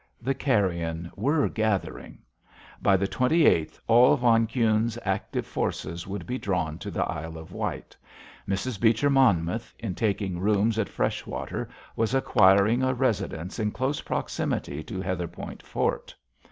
The carrion were gathering. By the twenty eighth all von Kuhne's active forces would be drawn to the Isle of Wight. Mrs. Beecher Monmouth, in taking rooms at Freshwater, was acquiring a residence in close proximity to Heatherpoint Fort.